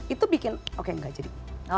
itu bikin oke gak jadi